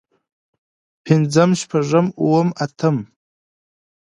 پنځم شپږم اووم اتم